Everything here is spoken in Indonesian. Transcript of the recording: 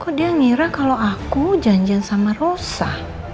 aku dia ngira kalau aku janjian sama rosa